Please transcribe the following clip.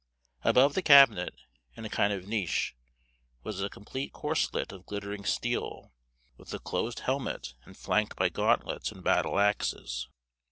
Above the cabinet, in a kind of niche, was a complete corslet of glittering steel, with a closed helmet, and flanked by gauntlets and battle axes.